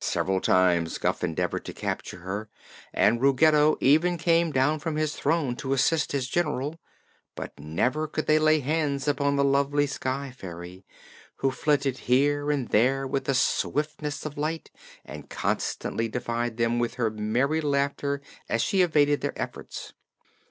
Several times Guph endeavored to capture her and Ruggedo even came down from his throne to assist his General; but never could they lay hands upon the lovely sky fairy, who flitted here and there with the swiftness of light and constantly defied them with her merry laughter as she evaded their efforts.